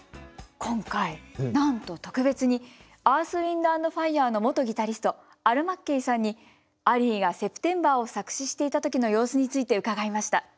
今回なんと特別にアース・ウインド＆ファイアーの元ギタリストアル・マッケイさんにアリーが「Ｓｅｐｔｅｍｂｅｒ」を作詞していた時の様子について伺いました。